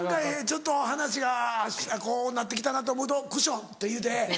ちょっと話がこうなって来たなと思うと「クッション」って言うて。